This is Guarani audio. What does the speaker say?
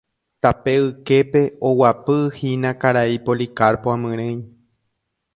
Tape yképe oguapyhína karai Policarpo amyrỹi.